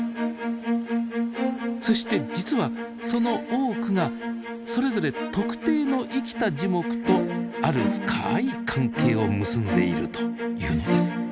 そして実はその多くがそれぞれ特定の生きた樹木とある深い関係を結んでいるというのです。